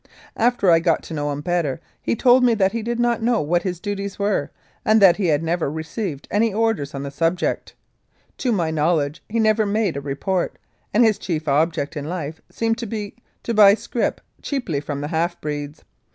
After I got to know him better he told me that he did not know what his duties were, and that he had never received any orders on the subject. To my knowledge he never made a report, and his chief object in life seemed to be to buy scrip cheaply from the half breeds.